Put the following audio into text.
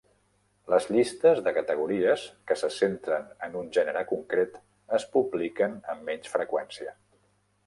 Les llistes de categories, que se centren en un gènere concret, es publiquen amb menys freqüència.